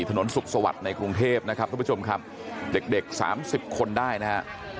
ถนนสุขสวัสดิ์ในกรุงเทพนะครับทุกผู้ชมครับเด็กเด็กสามสิบคนได้นะฮะ